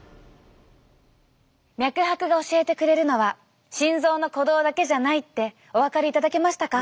脈拍が教えてくれるのは心臓の鼓動だけじゃないってお分かりいただけましたか？